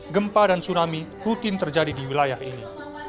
gempa dan tsunami rutin terjadi di wilayah ini